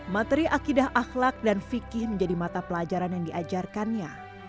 materi akidah akhlak dan fikih menjadi mata pelajaran yang diajarkannya